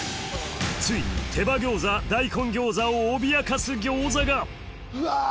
ついに手羽餃子大根餃子を脅かす餃子がうわ！